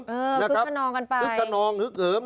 เออฮึกกระนองกันไปฮึกกระนองฮึกเหิม